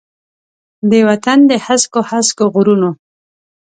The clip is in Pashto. د وطن د هسکو، هسکو غرونو،